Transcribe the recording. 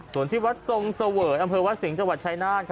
ส่วนที่วัดทรงเสวยอำเภอวัดสิงห์จังหวัดชายนาฏ